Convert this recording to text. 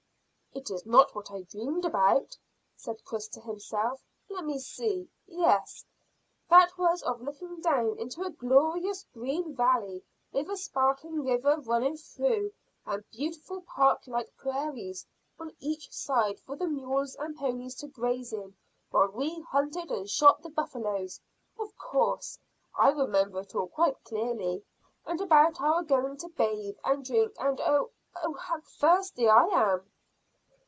"It is not what I dreamed about," said Chris to himself. "Let me see yes, that was of looking down into a glorious green valley with a sparkling river running through and beautiful park like prairies on each side for the mules and ponies to graze in while we hunted and shot the buffaloes. Of course; I remember it all quite clearly, and about our going to bathe and drink, and oh, how thirsty I am!"